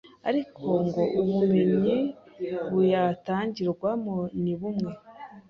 Ariko ngo ubumenyi buyatangirwamo ni bumwe.